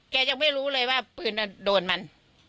ยังไม่รู้เลยว่าปืนโดนมัน